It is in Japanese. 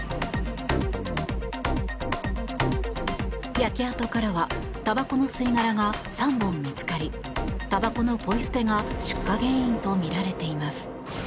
焼け跡からはたばこの吸い殻が３本見つかりたばこのポイ捨てが出火原因とみられています。